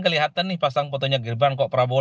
kelihatan nih pasang fotonya gibran kok prabowo